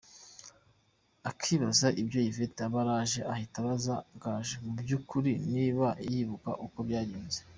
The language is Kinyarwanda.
Akibaza ibyo Yvette aba araje ahita abaza Gaju mu byukuri niba yibuka uko byagenze.